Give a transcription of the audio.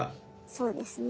そうですね。